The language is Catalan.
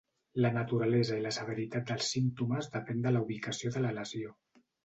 La naturalesa i la severitat dels símptomes depèn de la ubicació de la lesió.